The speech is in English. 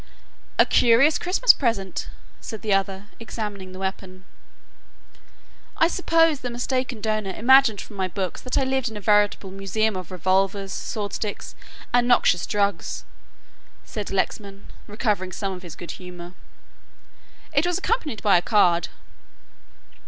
"A curious Christmas present," said the other, examining the weapon. "I suppose the mistaken donor imagined from my books that I lived in a veritable museum of revolvers, sword sticks and noxious drugs," said Lexman, recovering some of his good humour; "it was accompanied by a card."